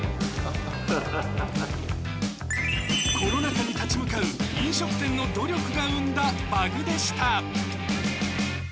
コロナに立ち向かう飲食店の努力が生んだバグでした。